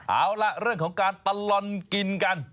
เอาล่ะเรื่องของการตลอดกินกัน